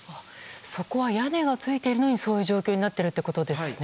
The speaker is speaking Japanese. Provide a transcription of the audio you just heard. そこは屋根がついているのにそういう状況になっているということですね。